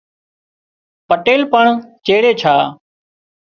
پٽيل پڻ چيڙي ڇا